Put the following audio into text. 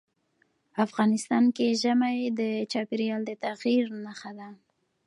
افغانستان کې ژمی د چاپېریال د تغیر نښه ده.